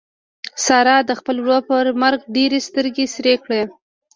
سارا د خپل ورور پر مرګ ډېرې سترګې سرې کړې.